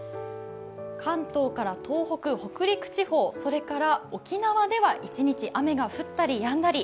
関東から東北、北陸地方、それから沖縄では一日雨が降ったり、やんだり。